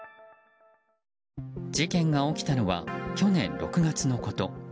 事件が起きたのは去年６月のこと。